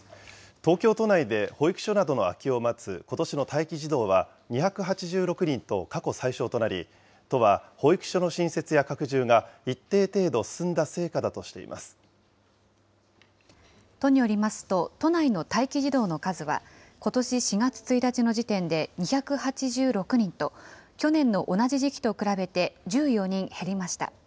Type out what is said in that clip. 東京都内で保育所などの空きを待つことしの待機児童は２８６人と過去最少となり、都は保育所の新設や拡充が一定程度、進んだ成果都によりますと、都内の待機児童の数は、ことし４月１日の時点で２８６人と、去年の同じ時期と比べて１４人減りました。